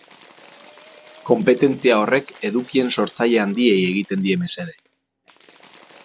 Konpetentzia horrek edukien sortzaile handiei egiten die mesede.